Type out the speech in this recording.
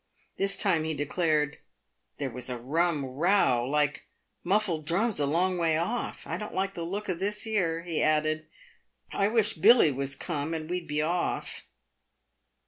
This time he declared " there was a rum row, like muffled drums a long way* off. I don't like the look o' this here," he added ;" I wish Billy was come, w r e'd be off."